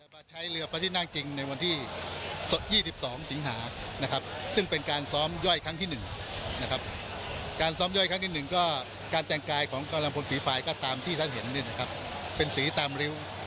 ผู้อำนวยภัฟภาษาที่สมัครราชินิกภาษาทางอุโรปรัชนาการ